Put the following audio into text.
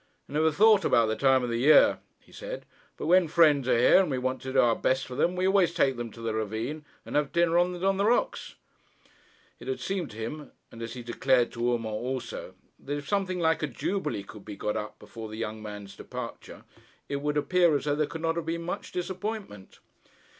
'I never thought about the time of the year,' he said; 'but when friends are here and we want to do our best for them, we always take them to the ravine, and have dinners on the rocks.' It had seemed to him, and as he declared to Urmand also, that if something like a jubilee could be got up before the young man's departure, it would appear as though there could not have been much disappointment.